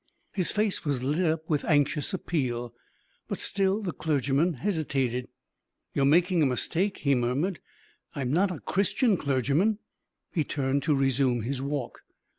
His face was lit up with anxious appeal. But still the clergyman hesitated. "You're making a mistake," he murmured. "I am not a Christian clergyman." He turned to resume his walk.